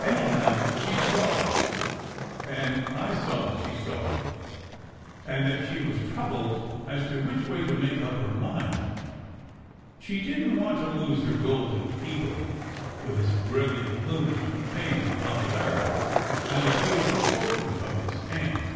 Anyhow, she saw it, and I saw that she saw it, and that she was troubled as to which way to make up her mind. She didn t want to lose her golden eagle, with his brilliant plumage of fame and popularity, and the future fortune from his aunt.